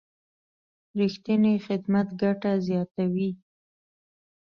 رښتینی خدمت ګټه زیاتوي.